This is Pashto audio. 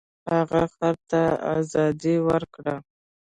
هغه خر ته ازادي ورکړه.